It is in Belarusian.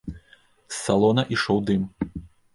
З салона ішоў дым.